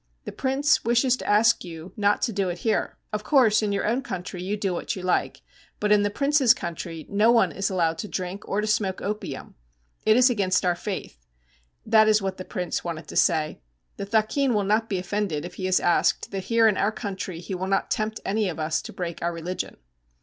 'The prince wishes to ask you not to do it here. Of course, in your own country you do what you like, but in the prince's country no one is allowed to drink or to smoke opium. It is against our faith. That is what the prince wanted to say. The thakin will not be offended if he is asked that here in our country he will not tempt any of us to break our religion.'